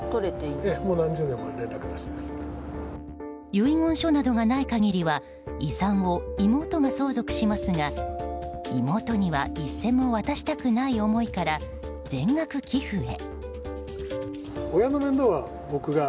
遺言書などがない限りは遺産を妹が相続しますが妹には一銭も渡したくない思いから、全額寄付へ。